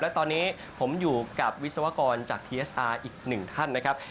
และตอนนี้ผมอยู่กับวิศวกรจากทีเอสอาร์อีกหนึ่งท่านนะครับ